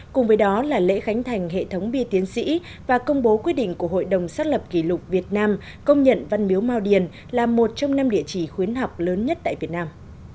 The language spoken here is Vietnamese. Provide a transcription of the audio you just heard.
cùng với đó là lễ khánh thành hệ thống bia tiến sĩ và công bố quyết định của hội đồng xác lập kỷ lục việt nam công nhận văn miếu mau điền là một trong năm địa chỉ khuyến học lớn nhất tại việt nam